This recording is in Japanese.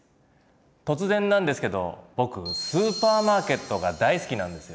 突然なんですけど僕スーパーマーケットが大好きなんですよ。